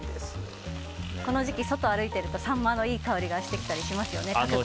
この時期、外を歩いてるとサンマのいい香りがしてきたりしますよね。